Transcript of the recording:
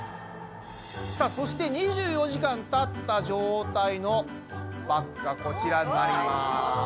さあそして２４時間たった状態のバッグがこちらになります。